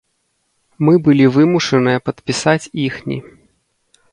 Мы былі вымушаныя падпісаць іхні.